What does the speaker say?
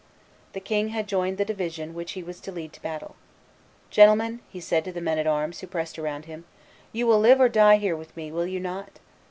The king had joined the division which he was to lead to battle. "Gentlemen," said he to the men at arms who pressed around him, "you will live or die here with me, will you not?"